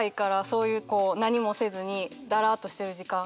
そういうこう何もせずにだらっとしてる時間。